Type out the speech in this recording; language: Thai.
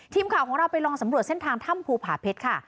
ทีมข่าวของเราไปลองสำรวจเส้นทางถ้ำภูผาเพชรค่ะ